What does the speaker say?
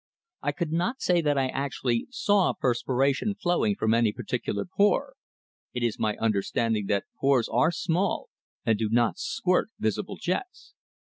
I could not say that I actually saw perspiration flowing from any particular pore; it is my understanding that pores are small, and do not squirt visible jets.